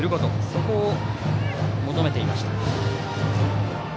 そこを求めていました。